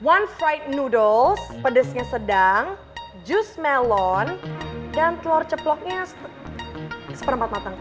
one fried noodle pedasnya sedeng jus melon dan telur ceploknya seperempat matang